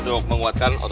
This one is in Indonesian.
sok nah terus